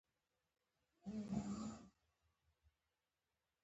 جانکو منډه کړه.